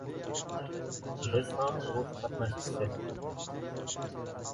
— Biz ham urush qatnashchisi!